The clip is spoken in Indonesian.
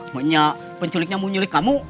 monyak penculiknya menyulik kamu